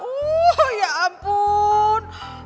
oh ya ampun